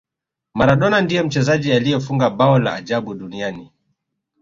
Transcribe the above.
maradona ndiye mchezaji aliyefunga bao la ajabu duniani